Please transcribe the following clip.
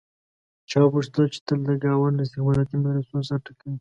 چا وپوښتل چې تل د ګاونډ له استخباراتي مدرسو سر ټکوې.